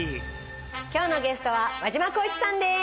今日のゲストは輪島功一さんです。